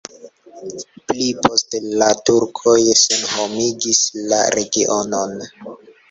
Pli poste la turkoj senhomigis la regionon.